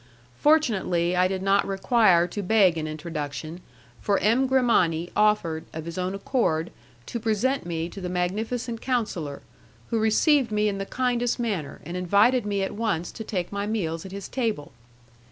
Fortunately I did not require to beg an introduction, for M. Grimani offered, of his own accord, to present me to the magnificent councillor, who received me in the kindest manner, and invited me at once to take my meals at his table.